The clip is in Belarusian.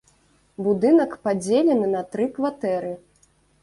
Будынак падзелены на тры кватэры.